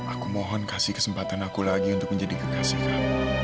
aku mohon kasih kesempatan aku lagi untuk menjadi kekasihkan